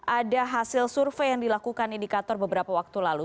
ada hasil survei yang dilakukan indikator beberapa waktu lalu